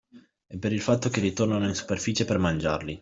E per il fatto che ritornano in superficie per mangiarli